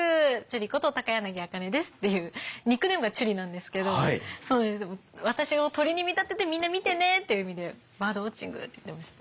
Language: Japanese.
ニックネームが「ちゅり」なんですけど私を鳥に見立ててみんな見てねっていう意味でバードウォッチングって言ってましたね。